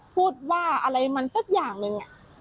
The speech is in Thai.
พูดว่าอะไรมันสักอย่างหนึ่ง